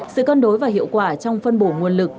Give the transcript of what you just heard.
sự cân đối và hiệu quả trong phân bổ nguồn lực